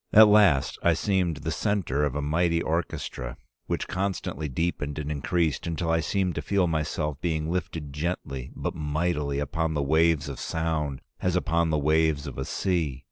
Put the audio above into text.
"At last I seemed the centre of a mighty orchestra which constantly deepened and increased until I seemed to feel myself being lifted gently but mightily upon the waves of sound as upon the waves of a sea.